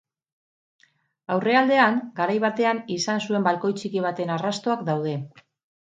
Aurrealdean, garai batean izan zuen balkoi txiki baten arrastoak daude.